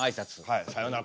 はい「さようなら」